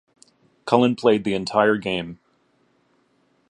Cullen played the entire game.